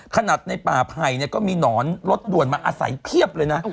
ในป่าไผ่ก็มีหนอนรถด่วนมาอาศัยเพียบเลยนะ